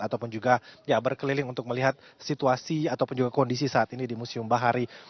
ataupun juga berkeliling untuk melihat situasi ataupun juga kondisi saat ini di museum bahari